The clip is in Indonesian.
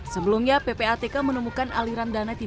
sebelumnya ppatk menemukan aliran dana tindak ubah